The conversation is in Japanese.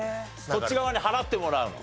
こっち側に払ってもらうの。